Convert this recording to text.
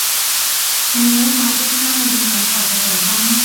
你好快啲返去你本來嘅地方！